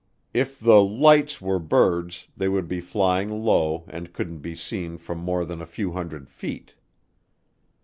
If the "lights" were birds they would be flying low and couldn't be seen from more than a few hundred feet.